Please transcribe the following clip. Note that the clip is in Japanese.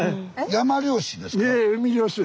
海漁師ですか。